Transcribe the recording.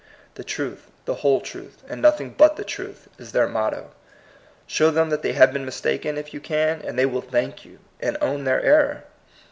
" The truth, the whole truth, and nothing but the truth," is their motto. Show them that they have been mistaken, if you can, and they will thank you, and own their error.